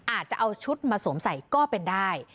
อาจจะเอาชุดมาสวมใส่ก็เป็นได้